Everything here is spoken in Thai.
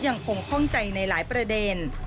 ยังคงข้องใจในหลายประเด็น